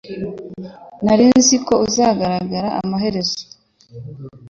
Nari nzi ko uzagaragara amaherezo